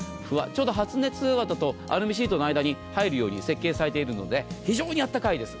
ちょうど発熱わたとアルミシートの間に入るように設計されているので非常にあったかいです。